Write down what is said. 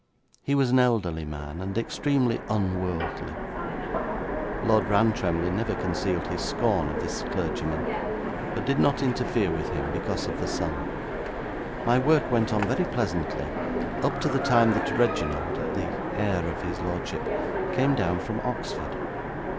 He was an elderly man, and extremely unworldly. Lord Rantremly never concealed his scorn of this clergyman, but did not interfere with him because of the son. 'My work went on very pleasantly up to the time that Reginald, the heir of his lordship, came down from Oxford.